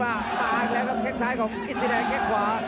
ข้างล่างแล้วก็แค่ข้างซ้ายของอิสดีแดงแค่ข้างขวา